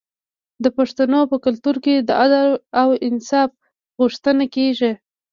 د پښتنو په کلتور کې د عدل او انصاف غوښتنه کیږي.